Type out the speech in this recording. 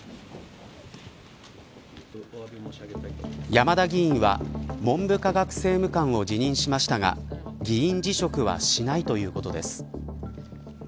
山田議員は文部科学政務官を辞任しましたが議員辞職はしないということです。